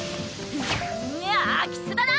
んん空き巣だな！